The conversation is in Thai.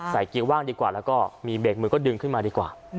เกียร์ว่างดีกว่าแล้วก็มีเบรกมือก็ดึงขึ้นมาดีกว่า